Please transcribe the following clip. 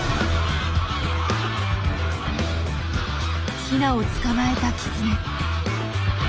ヒナを捕まえたキツネ。